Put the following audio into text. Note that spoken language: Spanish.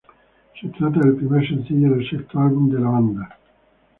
Se trata del primer sencillo del sexto álbum de la banda.